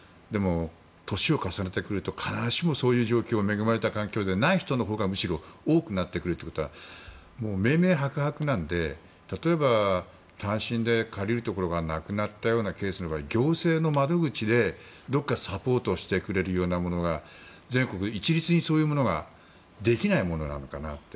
でも、年を重ねてくると必ずしもそういう状況恵まれた環境ではない人のほうが多くなってくることは明々白々なので例えば、単身で借りるところがなくなったようなケースの場合は、行政の窓口でサポートしてくれるようなものが全国一律にそういうものができないものなのかなって。